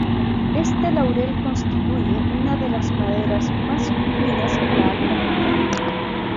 Este laurel constituye una de las maderas más finas en la alta montaña.